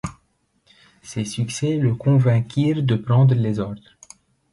Ces succès le convainquirent de prendre les ordres.